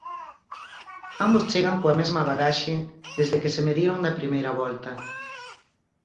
Ambos chegan coa mesma bagaxe desde que se mediron na primeira volta.